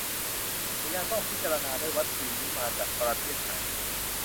แต่ยังต้องพิจารณาด้วยว่าวัคซีนนี้มาจากประเทศไหน